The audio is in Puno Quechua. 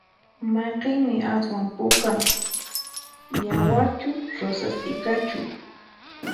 Mayqinmi aswan puka? yawarchu rosas t'ikachu?